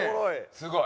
すごい。